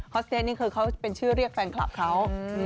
อสเตสนี่คือเขาเป็นชื่อเรียกแฟนคลับเขา